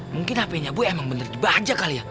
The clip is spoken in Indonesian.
mungkin hp nya boy emang bener bener aja kal ya